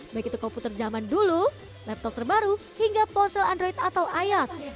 baik itu komputer zaman dulu laptop terbaru hingga ponsel android atau ios